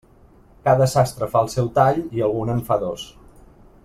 Cada sastre fa el seu tall, i algun en fa dos.